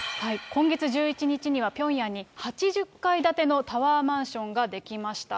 今月１１日には、ピョンヤンに８０階建てのタワーマンションが出来ました。